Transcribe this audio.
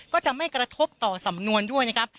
ก็จะไม่กระทบต่อสำนวนด้วยนะครับ